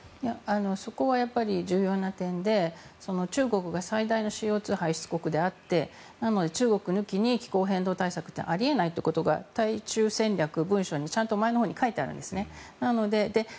そこは重要な点で中国が最大のＣＯ２排出国であってなので中国抜きに気候変動対策はあり得ないということに対中戦略の文書のちゃんと前のほうに書いてあるんですね。